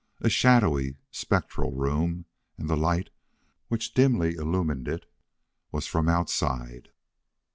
A shadowy, spectral room, and the light, which dimly illumined it, was from outside.